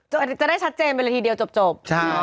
จะได้ชัดเจนเป็นทีเดียวจบ